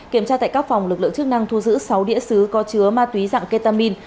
kiểm tra tại các phòng lực lượng chức năng thu giữ sáu đĩa xứ có chứa ma túy dạng ketamin